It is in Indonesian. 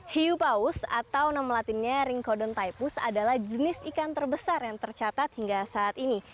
hiu paus atau nama latinnya ringkodon typus adalah jenis ikan terbesar yang tercatat hingga saat ini